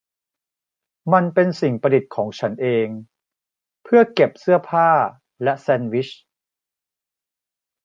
มันเป็นสิ่งประดิษฐ์ของฉันเอง เพื่อเก็บเสื้อผ้าและแซนด์วิช